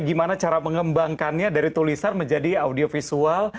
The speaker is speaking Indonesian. gimana cara mengembangkannya dari tulisan menjadi audio visual